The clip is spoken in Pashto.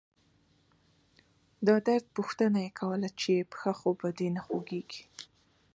د درد پوښتنه يې کوله چې پښه خو به دې نه خوږيږي.